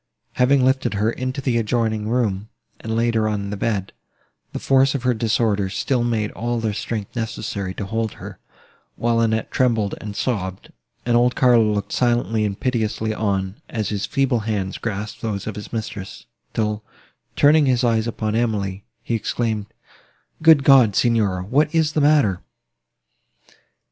Having lifted her into the adjoining room, and laid her on the bed, the force of her disorder still made all their strength necessary to hold her, while Annette trembled and sobbed, and old Carlo looked silently and piteously on, as his feeble hands grasped those of his mistress, till, turning his eyes upon Emily, he exclaimed, "Good God! Signora, what is the matter?"